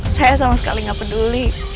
saya sama sekali nggak peduli